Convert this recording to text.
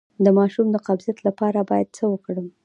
د ماشوم د قبضیت لپاره باید څه وکړم؟